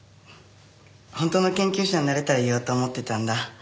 本当の研究者になれたら言おうと思ってたんだ。